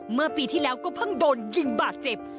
เมื่อปีที่แล้วก็เพิ่งโดนยิงบาดเจ็บ